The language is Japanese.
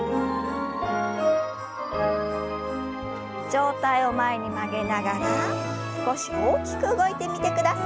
上体を前に曲げながら少し大きく動いてみてください。